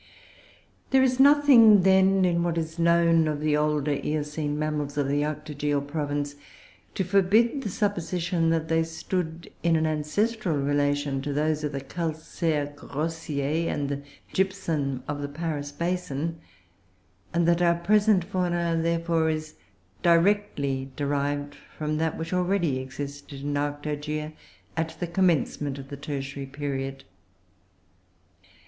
There is nothing, then, in what is known of the older Eocene mammals of the Arctogaeal province to forbid the supposition that they stood in an ancestral relation to those of the Calcaire Grossier and the Gypsum of the Paris basin, and that our present fauna, therefore, is directly derived from that which already existed in Arctogaea at the commencement of the Tertiary period.